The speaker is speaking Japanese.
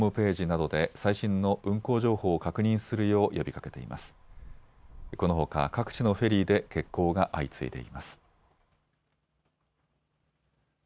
このほか各地のフェリーで欠航が相次いでいます。